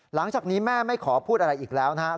หลังจากนี้แม่ไม่ขอพูดอะไรอีกแล้วนะครับ